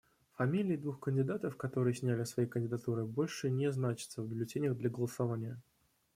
Фамилии двух кандидатов, которые сняли свои кандидатуры, больше не значатся в бюллетенях для голосования.